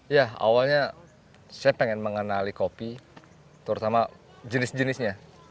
ya awalnya saya pengen mengenali kopi terutama jenis jenisnya